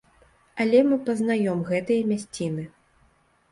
Але мы пазнаём гэтыя мясціны.